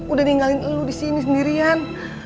udah ninggalin elu disini sendirian